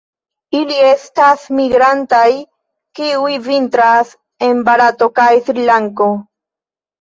Ili estas migrantaj, kiuj vintras en Barato kaj Srilanko.